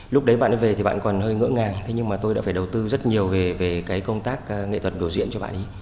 lúc đấy bạn ấy về thì bạn ấy còn hơi ngỡ ngàng nhưng tôi đã phải đầu tư rất nhiều về công tác nghệ thuật biểu diễn cho bạn ấy